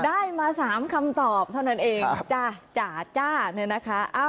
ได้มา๓คำตอบเท่านั้นเองจ้าจ๋าจ้าเนี่ยนะคะ